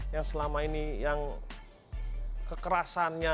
yang selama ini yang kekerasannya